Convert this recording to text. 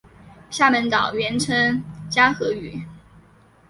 厦门岛原称嘉禾屿。